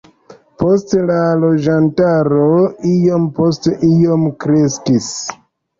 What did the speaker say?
Poste la loĝantaro iom post iom kreskis.